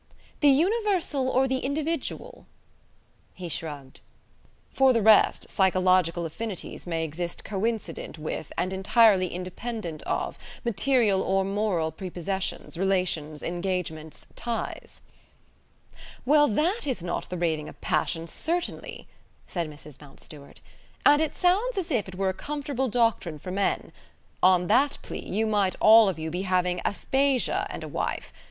"The universal or the individual?" He shrugged. "For the rest, psychological affinities may exist coincident with and entirely independent of material or moral prepossessions, relations, engagements, ties." "Well, that is not the raving of passion, certainly," said Mrs Mountstuart, "and it sounds as if it were a comfortable doctrine for men. On that plea, you might all of you be having Aspasia and a wife.